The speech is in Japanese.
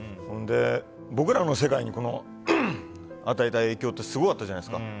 僕らの世界に、与えた影響ってすごかったじゃないですか。